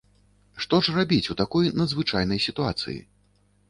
Што ж рабіць у такой надзвычайнай сітуацыі?